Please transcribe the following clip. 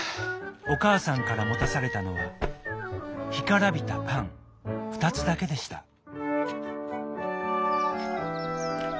おかあさんからもたされたのはひからびたパンふたつだけでした。